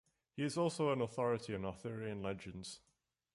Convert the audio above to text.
He is also an authority on Arthurian legends.